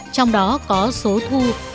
trong đó có số thú vị